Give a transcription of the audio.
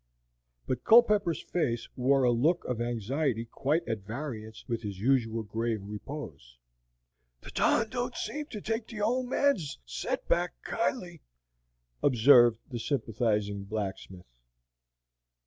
But Culpepper's face wore a look of anxiety quite at variance with his usual grave repose. "The Don don't seem to take the old man's set back kindly," observed the sympathizing blacksmith.